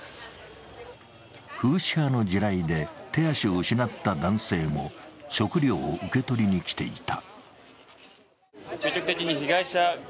フーシ派の地雷で手足を失った男性も食料を受け取りに来ていた。